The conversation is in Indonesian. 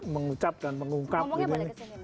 mengucap dan mengungkap ngomongnya boleh ke sini mas